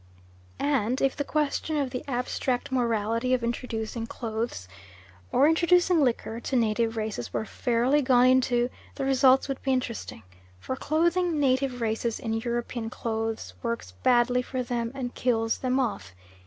And if the question of the abstract morality of introducing clothes, or introducing liquor, to native races, were fairly gone into, the results would be interesting for clothing native races in European clothes works badly for them and kills them off.